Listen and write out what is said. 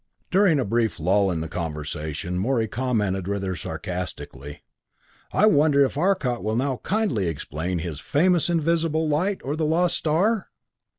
During a brief lull in the conversation, Morey commented rather sarcastically: "I wonder if Arcot will now kindly explain his famous invisible light, or the lost star?"